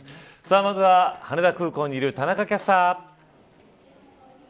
まずは羽田空港にいる田中キャスター。